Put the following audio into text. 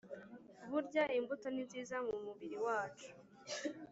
Burya imbuto ninziza mu mubiri wacu